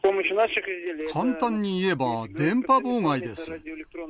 簡単に言えば、電波妨害です。